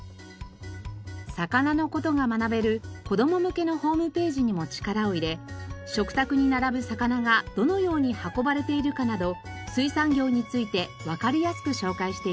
魚の事が学べる子供向けのホームページにも力を入れ食卓に並ぶ魚がどのように運ばれているかなど水産業についてわかりやすく紹介しています。